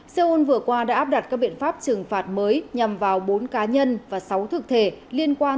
seoul vừa qua đã áp đặt các biện pháp trừng phạt mới nhằm vào bốn cá nhân và sáu thực thể liên quan